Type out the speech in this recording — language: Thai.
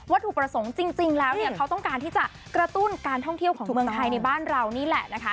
ถูกประสงค์จริงแล้วเนี่ยเขาต้องการที่จะกระตุ้นการท่องเที่ยวของเมืองไทยในบ้านเรานี่แหละนะคะ